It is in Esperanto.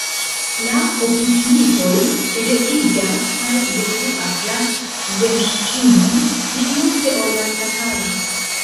La opriĉnikoj pereigas kaj detruas la zemŝĉinon pli multe ol la tataroj.